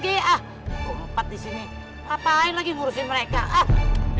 ngapain lagi ngurusin mereka